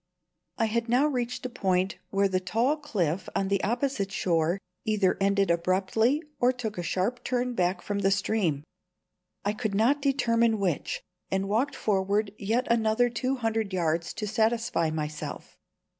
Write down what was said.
I had now reached a point where the tall cliff on the opposite shore either ended abruptly or took a sharp turn back from the stream. I could not determine which, and walked forward yet another two hundred yards to satisfy myself.